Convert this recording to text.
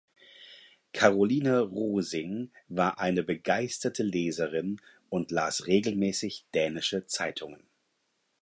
Karoline Rosing war eine begeisterte Leserin und laß regelmäßig dänische Zeitungen.